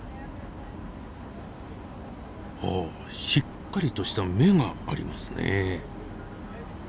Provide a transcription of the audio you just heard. ほうしっかりとした目がありますね。